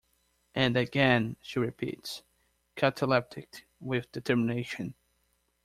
"And again," she repeats, cataleptic with determination.